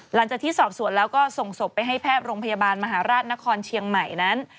หลังจากที่สอบสวนแล้วก็ส่งศพไปให้แพทย์โรงพยาบาลมหาราชนครเชียงใหม่นั้น